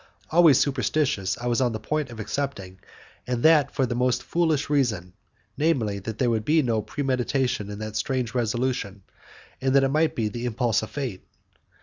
Always superstitious, I was on the point of accepting, and that for the most foolish reason namely, that there would be no premeditation in that strange resolution, and it might be the impulse of fate.